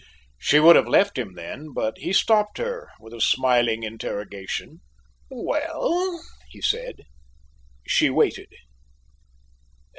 She would have left him then, but he stopped her with a smiling interrogation. "Well?" he said. She waited.